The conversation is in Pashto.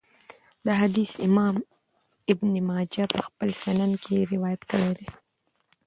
دا حديث امام ابن ماجه په خپل سنن کي روايت کړی دی .